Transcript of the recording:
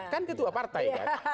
kan ketua partai kan